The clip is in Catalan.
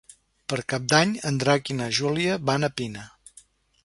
Per Cap d'Any en Drac i na Júlia van a Pina.